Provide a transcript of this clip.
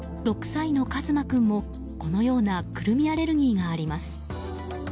６歳の和真君も、このようなクルミアレルギーがあります。